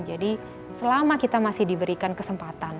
jadi selama kita masih diberikan kesempatan